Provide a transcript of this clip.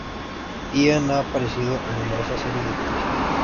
Ian ha aparecido en numerosas series de televisión.